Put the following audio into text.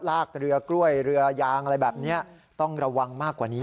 ลากเรือกล้วยเรือยางอะไรแบบนี้ต้องระวังมากกว่านี้